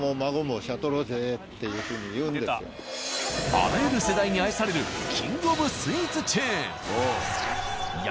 あらゆる世代に愛されるキングオブスイーツチェーン。